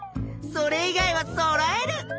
それ以外はそろえる！